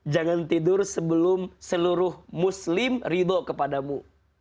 jangan tidur sebelum seluruh muslim ridho kepadamu